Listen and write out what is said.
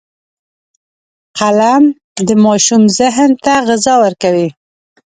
قلم د ماشوم ذهن ته غذا ورکوي